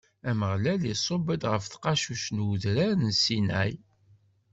Ameɣlal iṣubb-d ɣef tqacuct n udrar n Sinay.